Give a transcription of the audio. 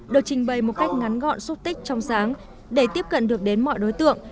được trình bày một cách ngắn gọn xúc tích trong sáng để tiếp cận được đến mọi đối tượng